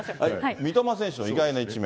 三笘選手の意外な一面。